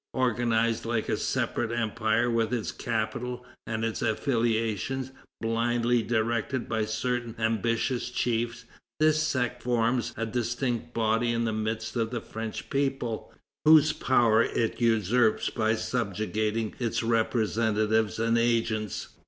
Organized like a separate empire, with its capital and its affiliations blindly directed by certain ambitious chiefs, this sect forms a distinct body in the midst of the French people, whose powers it usurps by subjugating its representatives and agents.